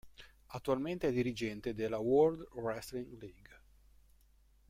Attualmente è dirigente della World Wrestling League.